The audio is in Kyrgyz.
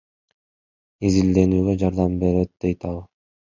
Изденүүгө жардам берет дейт ал.